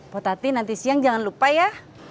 bu tati nanti siang jangan lupa ya